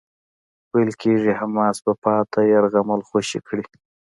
ویل کېږی حماس به پاتې يرغمل خوشي کړي.